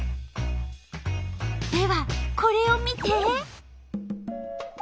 ではこれを見て！